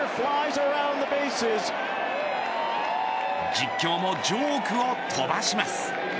実況もジョークを飛ばします。